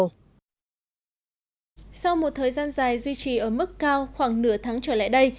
sau một thời gian dài duy trì ở mức cao khoảng nửa tháng trở lại đây